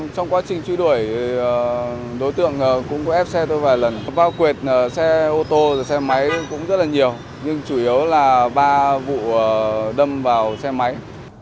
trong quá trình chú đuổi đối tượng cũng có ép xe tôi vài lần bao quyệt xe ô tô và xe máy cũng rất là nhiều nhưng chủ yếu là ba vụ đâm vào xe máy